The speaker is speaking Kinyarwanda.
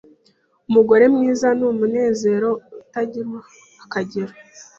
Umugore mwiza ni umunezero utagira akagero!